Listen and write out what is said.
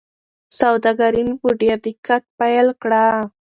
سوداګري مې په ډېر دقت پیل کړه.